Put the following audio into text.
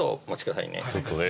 ちょっとね